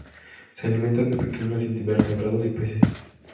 Se alimentan de pequeños invertebrados y peces.